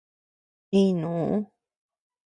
Ínuu.